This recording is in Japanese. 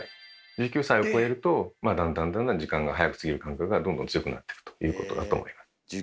１９歳をこえるとだんだんだんだん時間が早く過ぎる感覚がどんどん強くなってくということだと思います。